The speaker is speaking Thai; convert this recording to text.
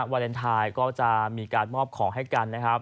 วาเลนไทยก็จะมีการมอบของให้กันนะครับ